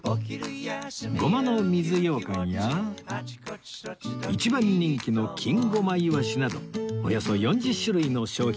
ごまの水ようかんや一番人気の金ごまいわしなどおよそ４０種類の商品